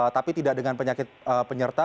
tapi tidak dengan penyakit penyerta